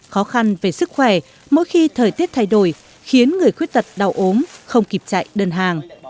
khó khăn về sức khỏe mỗi khi thời tiết thay đổi khiến người khuyết tật đau ốm không kịp chạy đơn hàng